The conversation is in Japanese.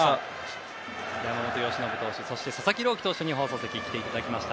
山本由伸投手佐々木朗希投手に放送席に来ていただきました。